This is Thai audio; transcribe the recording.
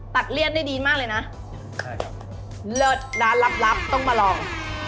เลี่ยนได้ดีมากเลยนะเลิศร้านลับลับต้องมาลอง